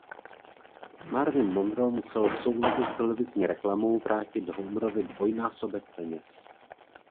Marvin Monroe musel v souladu s televizní reklamou vrátit Homerovi dvojnásobek peněz.